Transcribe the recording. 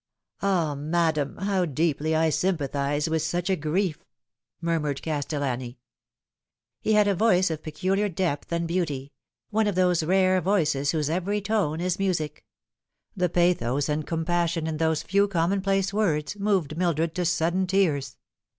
" Ah, madam, how deeply I sympathise with such a grief 1" murmured Castellani. He had a voice of peculiar depth and beauty one of those r;>re voices whose every tone is music. The pathos and com passion in those few commonplace words moved Mildred to sudden tears.